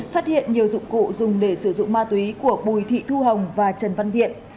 phát hiện nhiều dụng cụ dùng để sử dụng ma túy của bùi thị thu hồng và trần văn điện